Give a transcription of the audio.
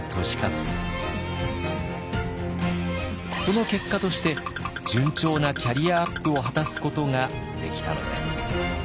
その結果として順調なキャリアアップを果たすことができたのです。